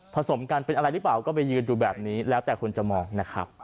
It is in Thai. สมกันเป็นอะไรหรือเปล่าก็ไปยืนดูแบบนี้แล้วแต่คนจะมองนะครับ